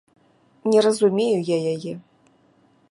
Не разумею я яе.